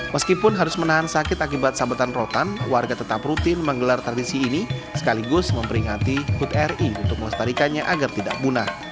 meskipun harus menahan sakit akibat sabetan rotan warga tetap rutin menggelar tradisi ini sekaligus memperingati hut ri untuk melestarikannya agar tidak punah